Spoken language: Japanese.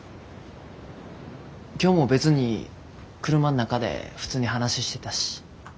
今日も別に車ん中で普通に話してたし。